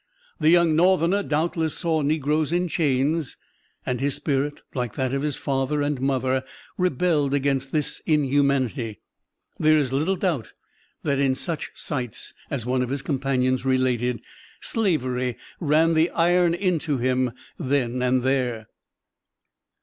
The young northerner doubtless saw negroes in chains, and his spirit, like that of his father and mother, rebelled against this inhumanity. There is little doubt that in such sights, as one of his companions related, "Slavery ran the iron into him then and there."